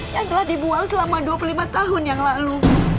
yang telah dibual selama dua puluh lima tahun yang lalu